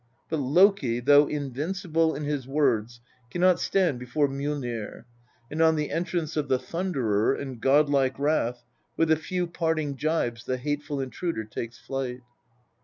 But Loki, though invincible in his words, cannot stand before Mjollnir, and on the .entrance of the Thunderer in god like wrath, with a few parting gibes the hateful intruder takes flight.